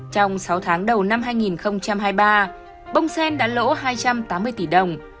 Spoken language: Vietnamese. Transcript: trong sáu tháng đầu năm hai nghìn hai mươi ba bông sen đã lỗ hai trăm tám mươi tỷ đồng